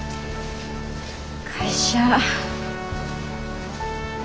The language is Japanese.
会社。